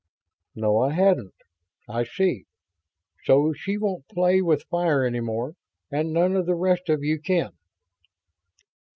"No, I hadn't ... I see. So she won't play with fire any more, and none of the rest of you can?"